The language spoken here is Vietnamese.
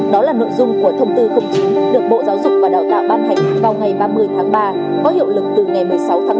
đó là nội dung của thông tư chín được bộ giáo dục và đào tạo ban hành vào ngày ba mươi tháng ba có hiệu lực từ ngày một mươi sáu tháng ba